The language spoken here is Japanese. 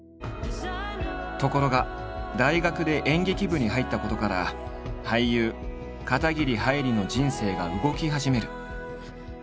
ところが大学で演劇部に入ったことから俳優片桐はいりの人生が動き始める。